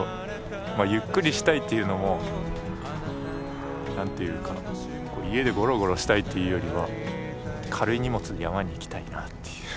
まあゆっくりしたいというのも何ていうか家でゴロゴロしたいというよりは軽い荷物で山に行きたいなっていう。